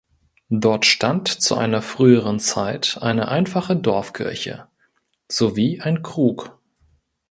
Dort stand zu einer früheren Zeit eine einfache Dorfkirche sowie ein Krug.